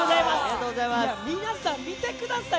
皆さん見てください。